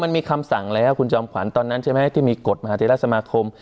มันมีคำสั่งแล้วคุณจอมขวัญตอนนั้นใช่ไหมที่มีกฎมหาเทราสมาคม